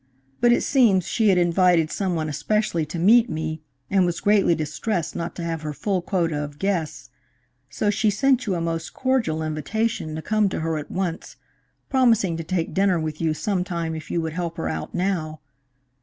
But it seems she had invited some one especially to meet me, and was greatly distressed not to have her full quota of guests, so she sent you a most cordial invitation to come to her at once, promising to take dinner with you some time if you would help her out now.